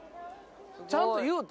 ちゃんと言うた？